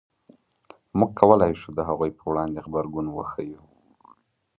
موږ کولای شو د هغوی په وړاندې غبرګون وښیو.